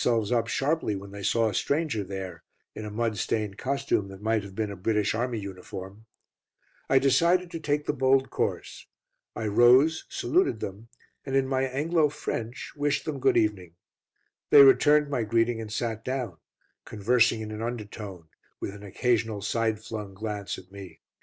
I had not been there five minutes when some officers walked in, and drew themselves up sharply when they saw a stranger there, in a mud stained costume that might have been a British army uniform. I decided to take the bold course. I rose, saluted them, and in my Anglo French wished them good evening. They returned my greeting and sat down, conversing in an undertone, with an occasional side flung glance at me.